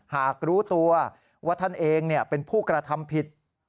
หากรู้ตัวว่าท่านเองเป็นผู้กระทำผิด